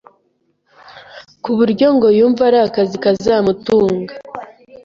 ku buryo ngo yumva ari akazi kazamutunga